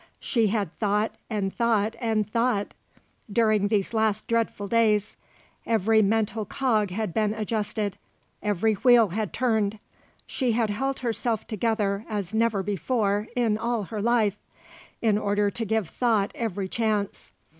She had thought and thought and thought during these last dreadful days; every mental cog had been adjusted, every wheel had turned; she had held herself together as never before in all her life, in order to give thought every chance.